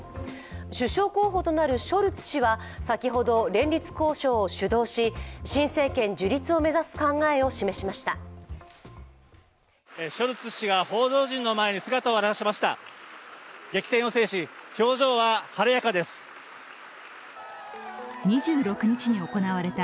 首相候補となるショルツ氏は先ほど連立交渉を主導し新政権樹立を目指す考えを示しました。